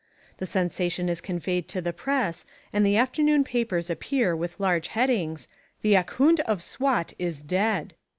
The sensation is conveyed to the Press and the afternoon papers appear with large headings, THE AHKOOND OF SWAT IS DEAD.